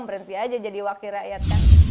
berhenti aja jadi wakil rakyat kan